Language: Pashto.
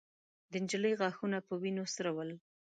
د نجلۍ غاښونه په وينو سره ول.